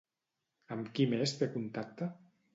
Amb qui més té contacte?